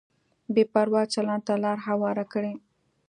بې پروا چلند ته لار هواره کړي.